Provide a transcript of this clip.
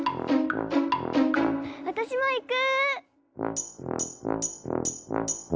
わたしもいく！